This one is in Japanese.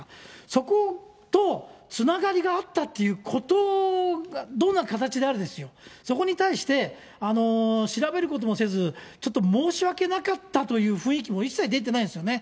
そことつながりがあったっていうこと、どんな形であれですよ、そこに対して、調べることもせず、ちょっと申し訳なかったという雰囲気も一切出てなかったですよね。